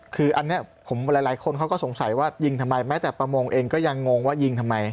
คืออันนี้ผมหลายคนเขาก็สงสัยว่ายิงทำไมแม้แต่ประมงเองก็ยังงงว่ายิงทำไม